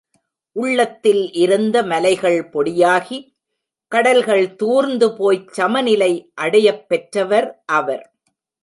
உள்ளத்தில் இருந்த மலைகள் பொடியாகி, கடல்கள் தூர்ந்து போய்ச் சமநிலை அடையப் பெற்றவர் அவர்.